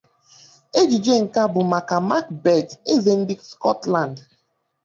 Ejije ǹkè â bụ̀ màkà Macbeth, ezè ndị Scotland.